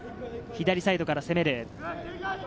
左サイドからの攻め。